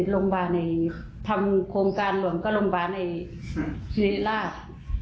พรงการหลวงก็ลงบาลในรี่ราช